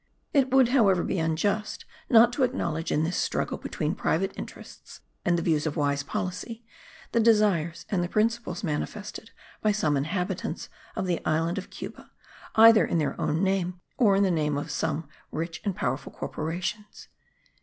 It would, however, be unjust not to acknowledge in this struggle between private interests and the views of wise policy, the desires and the principles manifested by some inhabitants of the island of Cuba, either in their own name or in the name of some rich and powerful corporations.